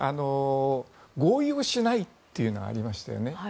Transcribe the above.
合意をしないというのがありましたよね。